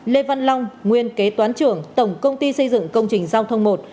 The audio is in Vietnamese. lê văn long nguyên kế toán trưởng tổng công ty xây dựng công trình giao thông một